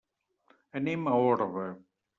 Anem a Orba.